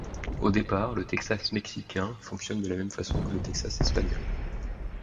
Au départ, le Texas mexicain fonctionne de la même façon que le Texas espagnol.